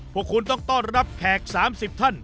พวกคุณต้องต้อนรับแขก๓๐ท่าน